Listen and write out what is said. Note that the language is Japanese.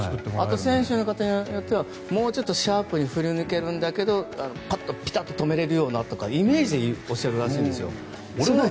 あとは選手の方によってはもっとシャープに振り抜けるんだけどパッと、ピタッと止められるようにみたいなとかイメージでおっしゃるらしいんですよ。